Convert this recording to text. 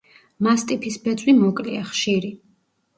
მასტიფის ბეწვი მოკლეა, ხშირი.